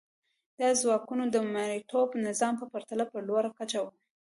دا ځواکونه د مرئیتوب نظام په پرتله په لوړه کچه وو.